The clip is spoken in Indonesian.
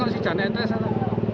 ya itu saja satu hari